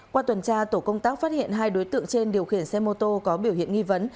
qua tuần tra tổ công tác phát hiện hai đối tượng trên điều khiển xe mô tô có biểu hiện nghi vấn